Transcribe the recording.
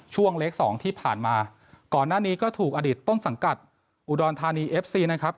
ช่วงเล็กสองที่ผ่านมาก่อนหน้านี้ก็ถูกอดีตต้นสังกัดอุดรธานีเอฟซีนะครับ